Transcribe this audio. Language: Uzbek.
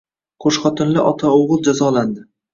Qoʻshxotinli ota-oʻgʻil jazolandi